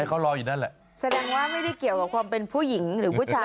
แสดงว่าไม่ได้เกี่ยวกับความเป็นผู้หญิงหรือผู้ชาย